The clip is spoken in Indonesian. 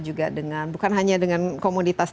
juga dengan bukan hanya dengan komoditas